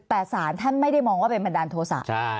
แต่สารท่านไม่ได้มองว่าเป็นบันดาลโทษะ